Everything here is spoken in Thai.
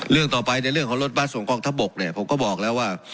เรื่องต่อไปในเรื่องของรถบัสส่งกองทัพบกเนี่ยผมก็บอกแล้วว่า